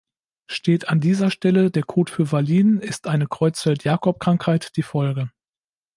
Steht an dieser Stelle der Code für Valin, ist eine Creutzfeldt-Jakob-Krankheit die Folge.